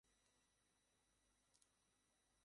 বদরে নিহতদের স্মরণে আর ক্রন্দন করা চলবে না।